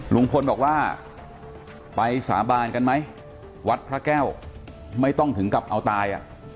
ลุงพลบอกว่าไปสาบานกันไหมวัดพระแก้วไม่ต้องถึงกับเอาตาย